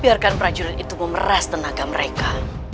biarkan prajurit itu memeras tenaga mereka